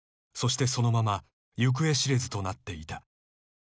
［そしてそのまま行方知れずとなっていた］